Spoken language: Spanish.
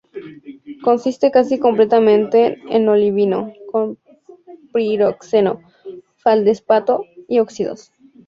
Consiste casi completamente en olivino con piroxeno, feldespato y óxidos.